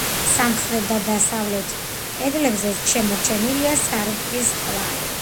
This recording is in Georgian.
სამხრეთ და დასავლეთ კედლებზე შემორჩენილია სარკმლის კვალი.